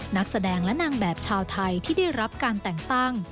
นักแสดงและนางแบบชาวไทยที่ได้รับการแต่งตั้ง